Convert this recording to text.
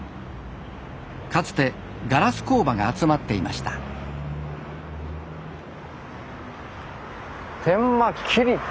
かつてガラス工場が集まっていました天満切子。